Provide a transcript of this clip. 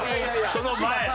その前の。